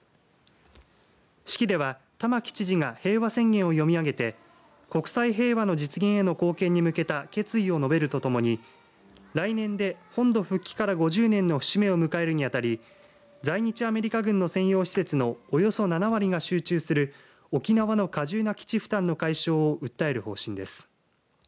式では玉城知事が平和宣言を読み上げて国際平和の実現への貢献に向けた決意を述べるとともに来年で本土復帰から５０年の節目を迎えるにあたり在日アメリカ軍の専用施設のおよそ７割が集中する沖縄の過重な基地負担の解消を訴える方針です。